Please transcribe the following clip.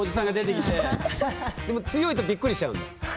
でも強いとびっくりしちゃうんだ。